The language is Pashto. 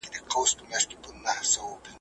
د خپل وطن ګیدړه د بل وطن تر زمري ښه ده ,